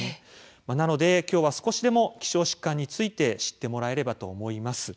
なので今日は少しでも希少疾患について知ってもらえればと思います。